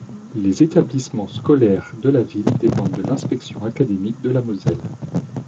Les établissements scolaires de la ville dépendent de l'inspection académique de la Moselle.